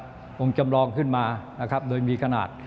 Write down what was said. บองจำลองขึ้นมาโดยมีขนาด